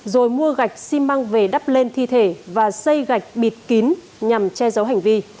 rồi mua gạch xi măng về đắp lên thi thể và xây gạch bịt kín nhằm che giấu hành vi